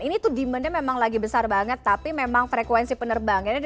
ini tuh demandnya memang lagi besar banget tapi memang frekuensi penerbangan